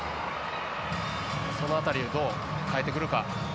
その辺りをどう変えてくるか。